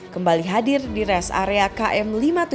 kembali hadir di res area km lima puluh tujuh